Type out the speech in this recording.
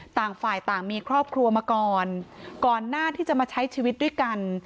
ต่างฝ่ายต่างมีครอบครัวมาก่อนก่อนหน้าที่จะมาใช้ชีวิตด้วยกัน